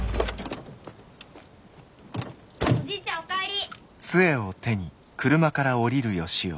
おじいちゃんお帰り。